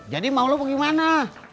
jadi mau lo pergi mana